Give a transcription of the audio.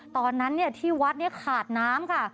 ตอนนั้นที่วัดขาดน้ำค่ะ